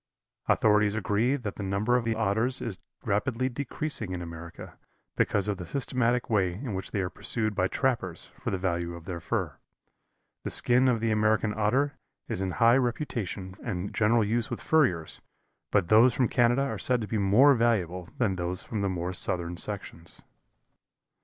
Authorities agree that the number of the Otters is rapidly decreasing in America, because of the systematic way in which they are pursued by trappers for the value of their fur. The skin of the American Otter is in high reputation and general use with furriers, but those from Canada are said to be more valuable than those from the more southern sections.